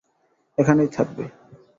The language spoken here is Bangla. এখানেই থাকবে।